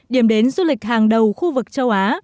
điểm đến du lịch hàng đầu khu vực châu á